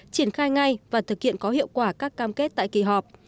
triển khai ngay và thực hiện có hiệu quả các cam kết tại kỳ họp